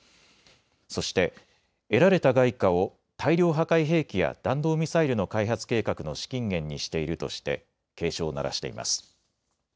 そして、得られた外貨を大量破壊兵器や弾道ミサイルの開発計画の資金源にしているとして警鐘を鳴らしています。